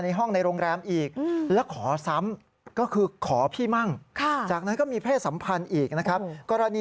ใช่เพราะว่ามีผู้ชายอีกคน